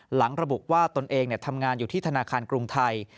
หลังระบุว่าตนเองทำงานอยู่ที่ธนาคารกรุงไทย